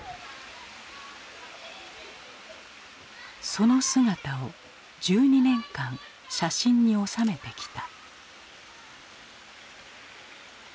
その姿を１２年間写真に収めてきた。